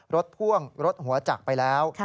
พ่วงรถหัวจักรไปแล้ว